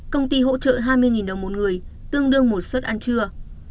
công ty hỗ trợ hai mươi đồng một người tương đương một suất ăn trưa